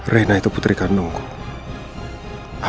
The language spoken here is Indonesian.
reina itu putri kandung saya